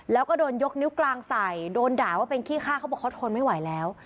แล้วก็โดนยกนิ้วกลางใส่โดนด่าว่าเป็นขี้ฆ่าเขาบอกเขาทนไม่ไหวแล้ว